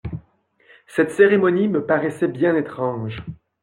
Cette cérémonie me paraissait bien étrange.